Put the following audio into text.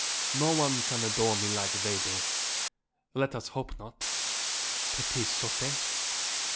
"No one can adore me like they do. Let us hope not. _Petites sottes.